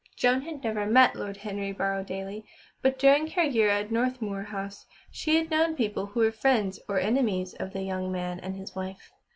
Joan had never met Lord Henry Borrowdaile, but during her year at Northmuir House she had known people who were friends or enemies of the young man and his wife.